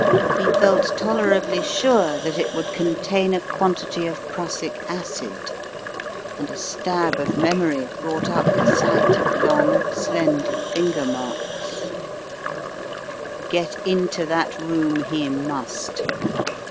He felt tolerably sure that it would contain a quantity of prussic acid, and a stab of memory brought up the sight of long, slender finger marks Get into that room he must.